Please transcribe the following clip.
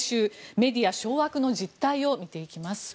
メディア掌握の実態を見ていきます。